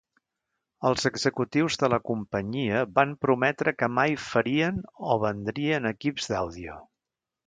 Els executius de la companyia van prometre que mai farien o vendrien equips d'àudio.